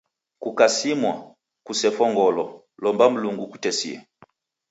Kukasimwa, kusefo ngolo, lomba Mlungu ukutesie